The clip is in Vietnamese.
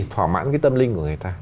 thỏa mãn cái tâm linh của người ta